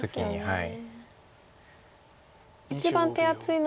はい。